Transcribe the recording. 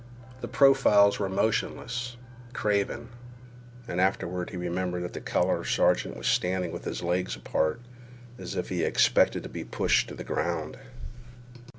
The profiles were motionless, carven; and afterward he remembered that the color sergeant was standing with his legs apart, as if he expected to be pushed to the ground.